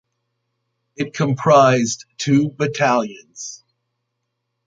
It comprised two battalions.